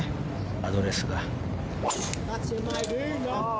アドレスが。